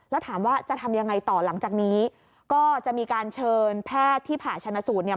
แล้วถามว่าจะทำยังไงต่อหลังจากนี้ก็จะมีการเชิญแพทย์ที่ผ่าชนะสูตรเนี่ย